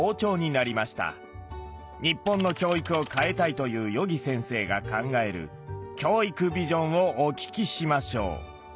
日本の教育を変えたいというよぎ先生が考える教育ビジョンをお聞きしましょう。